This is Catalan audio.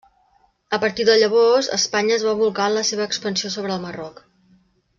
A partir de llavors, Espanya es va bolcar en la seva expansió sobre el Marroc.